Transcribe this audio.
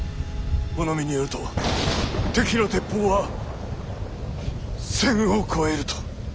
物見によると敵の鉄砲は１，０００を超えると。